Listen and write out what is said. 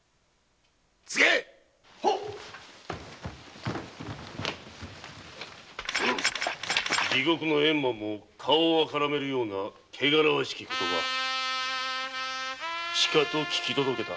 柘植・地獄の閻魔も顔を赤らめるような汚らわしき言葉しかと聞き届けた。